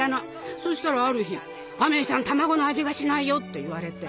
そしたらある日「アメイさん卵の味がしないよ」って言われて。